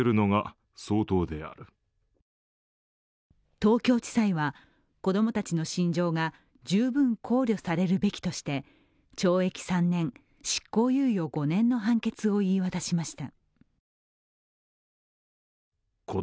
東京地裁は子供たちの心情が十分考慮されるべきとして、懲役３年、執行猶予５年の判決を言い渡しました。